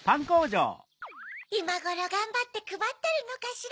いまごろがんばってくばってるのかしら？